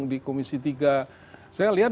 di komisi tiga saya lihat